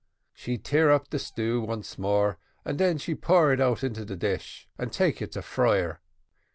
She stir up de stew once more, and den she pour it out into dish, and take it to friar.